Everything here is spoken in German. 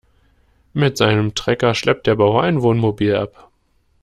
Mit seinem Trecker schleppt der Bauer ein Wohnmobil ab.